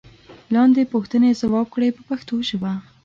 لاندې پوښتنې ځواب کړئ په پښتو ژبه.